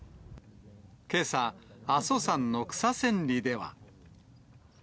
けさ、阿蘇山の草千里では。